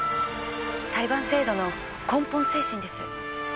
裁判制度の根本精神です。